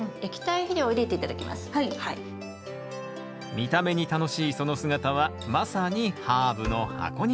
見た目に楽しいその姿はまさにハーブの箱庭。